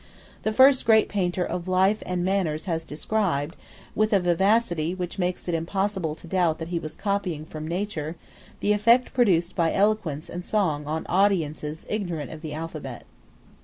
The first great painter of life and manners has described, with a vivacity which makes it impossible to doubt that he was copying from nature, the effect produced by eloquence and song on audiences ignorant of the alphabet.